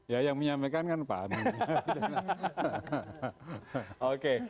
ya yang menyampaikan kan pak amin